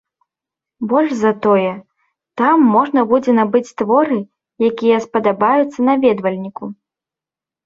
Больш за тое, там можна будзе набыць творы, якія спадабаюцца наведвальніку.